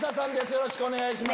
よろしくお願いします。